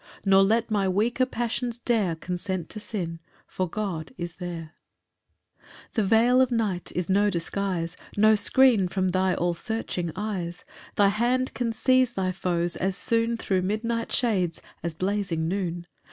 "Nor let my weaker passions dare "Consent to sin, for God is there." PAUSE II. 11 The veil of night is no disguise, No screen from thy all searching eyes; Thy hand can seize thy foes as soon, Thro' midnight shades as blazing noon.